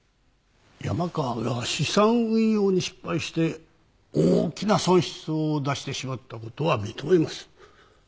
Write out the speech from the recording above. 山川が資産運用に失敗して大きな損失を出してしまった事は認めます。